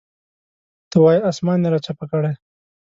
ته وایې اسمان یې راچپه کړی.